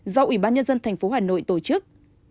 do ủy ban nhân dân thành phố hà nội tổ chức